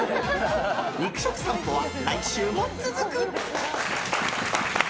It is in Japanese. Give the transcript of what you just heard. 肉食さんぽは、来週も続く！